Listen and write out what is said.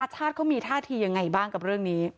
ชาติเขามีท่าทียังไงบ้างกับเรื่องนี้